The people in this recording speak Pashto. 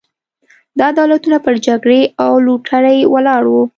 دا دولتونه پر جګړې او لوټرۍ ولاړ وو.